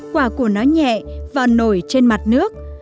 quả của nó nhẹ và nổi trên mặt nước